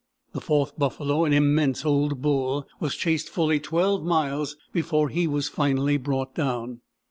The fourth buffalo, an immense old bull, was chased fully 12 miles before he was finally brought down.